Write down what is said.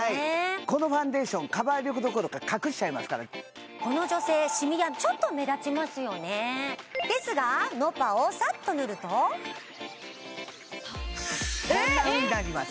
このファンデーションカバー力どころか隠しちゃいますからこの女性シミがちょっと目立ちますよねですがｎｏｐａをサッと塗るとこんなふうになります